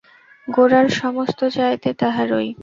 গোরার সমস্ত দায় যে তাঁহারই।